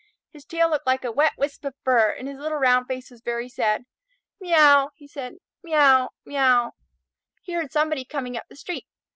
His tail looked like a wet wisp of fur, and his little round face was very sad. "Meouw!" said he. "Meouw! Meouw!" He heard somebody coming up the street.